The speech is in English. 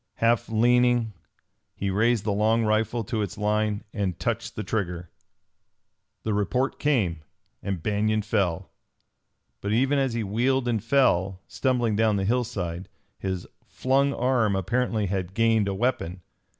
Half leaning, he raised the long rifle to its line and touched the trigger. The report came; and Banion fell. But even as he wheeled and fell, stumbling down the hillside, his flung arm apparently had gained a weapon.